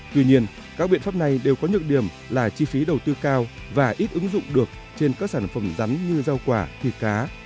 tuy nhiên các biện pháp này đều có nhược điểm là chi phí đầu tư cao và ít ứng dụng được trên các sản phẩm rắn như rau quả thịt cá